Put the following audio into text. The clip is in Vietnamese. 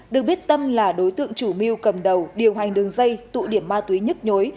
được biết tâm là đối tượng chủ mưu cầm đầu điều hành đường dây tụ điểm ma túy nhức nhối